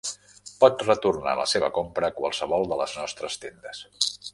Pot retornar la seva compra a qualsevol de les nostres tendes.